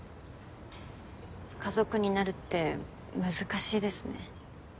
家族になるって難しいですね。